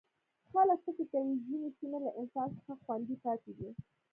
خلک فکر کوي ځینې سیمې له انسان څخه خوندي پاتې دي.